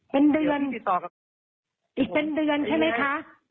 เป็นเดือนอีกเป็นเดือนใช่ไหมคะ